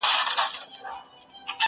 په چا دي ورلېږلي جهاني د قلم اوښکي٫